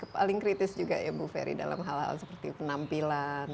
paling kritis juga ya bu ferry dalam hal hal seperti penampilan